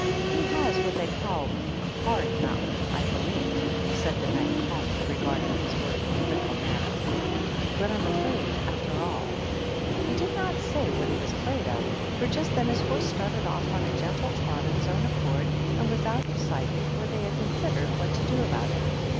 "He has what they call a hard mouth, I be lieve," said the Knight, calmly, regarding his work in a critical manner; "but I'm afraid, after all " He did not say what he was afraid of, for just then his horse started off on a gentle trot of his own accord, and was out of sight before they had considered what to do about it.